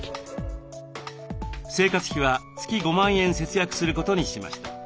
生活費は月５万円節約することにしました。